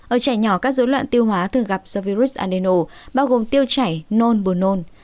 ở trẻ nhỏ các dấu luận tiêu hóa thường gặp do virus adeno bao gồm tiêu chảy nôn bùa nôn